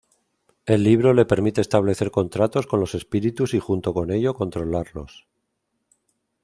El libro le permite establecer contratos con los espíritus y junto con ello, controlarlos.